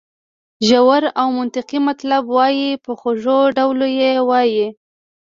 ژور او منطقي مطلب وایي په خوږ ډول یې وایي.